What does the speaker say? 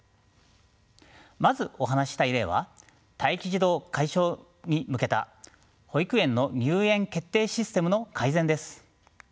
まずお話ししたい例は待機児童解消に向けた保育園の入園決定システムの改善です。